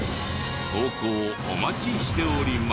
投稿お待ちしております。